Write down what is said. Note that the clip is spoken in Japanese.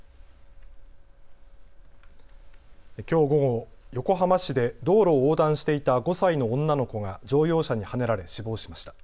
きょう午後、横浜市で道路を横断していた５歳の女の子が乗用車にはねられ死亡しました。